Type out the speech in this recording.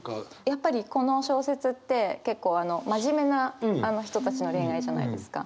やっぱりこの小説って結構真面目な人たちの恋愛じゃないですか。